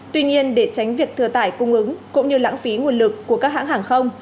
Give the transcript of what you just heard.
tuy nhiên để tránh việc thừa tải cung ứng cũng như lãng phí nguồn lực của các hãng hàng không